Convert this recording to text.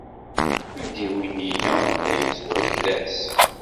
Adiwenni-a la d-yettwaklas.